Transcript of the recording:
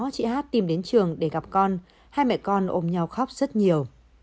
chị hát tìm đến trường để gặp con hai mẹ con ôm nhau khóc rất nhiều